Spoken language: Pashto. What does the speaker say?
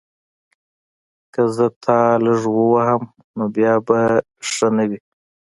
که زه تا لږ ووهم نو بیا به ښه نه وي